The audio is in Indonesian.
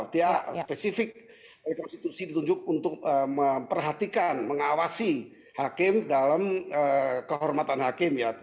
dia spesifik konstitusi ditunjuk untuk memperhatikan mengawasi hakim dalam kehormatan hakim ya